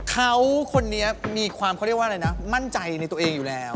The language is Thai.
เขาคนนี้มีความเขาเรียกว่าอะไรนะมั่นใจในตัวเองอยู่แล้ว